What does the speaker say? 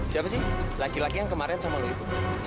siapa sih laki laki yang kemarin sama lu itu